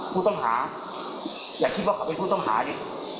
ผู้ต้องหาอย่าคิดว่าเขาเป็นผู้ต้องหาดิ